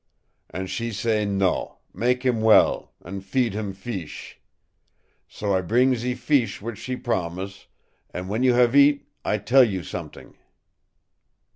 An' she say no, mak heem well, an' feed heem feesh. So I bring ze feesh which she promise, an' when you have eat, I tell you somet'ing!"